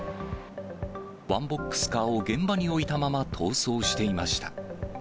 ワンボックスカーを現場に置いたまま逃走していました。